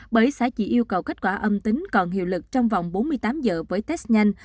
bởi xã chỉ yêu cầu kết quả âm tính còn hiệu lực trong vòng bốn mươi tám giờ với test nhanh